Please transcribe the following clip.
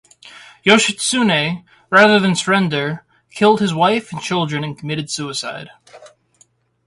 Yoshitsune, rather than surrender, killed his wife and children and committed suicide.